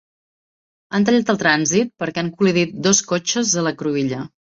Han tallat el trànsit perquè han col·lidit dos cotxes a la cruïlla.